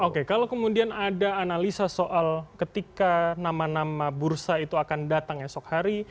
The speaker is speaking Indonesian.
oke kalau kemudian ada analisa soal ketika nama nama bursa itu akan datang esok hari